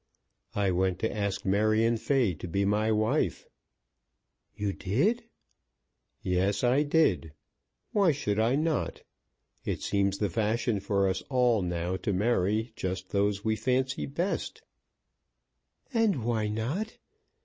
"I went to ask Marion Fay to be my wife." "You did?" "Yes; I did. Why should I not? It seems the fashion for us all now to marry just those we fancy best." "And why not?